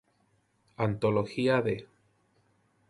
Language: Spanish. Antología de...